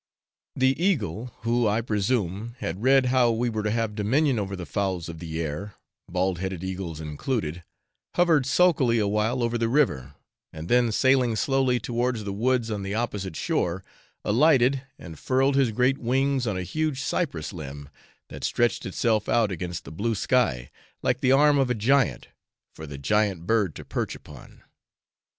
The eagle, who, I presume, had read how we were to have dominion over the fowls of the air (bald headed eagles included), hovered sulkily awhile over the river, and then sailing slowly towards the woods on the opposite shore, alighted and furled his great wings on a huge cypress limb, that stretched itself out against the blue sky, like the arm of a giant, for the giant bird to perch upon.